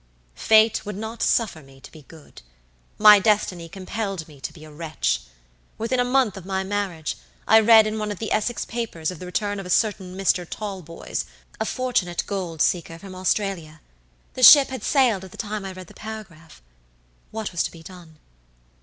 "Fate would not suffer me to be good. My destiny compelled me to be a wretch. Within a month of my marriage, I read in one of the Essex papers of the return of a certain Mr. Talboys, a fortunate gold seeker, from Australia. The ship had sailed at the time I read the paragraph. What was to be done?